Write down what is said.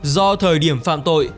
do thời điểm phạm tội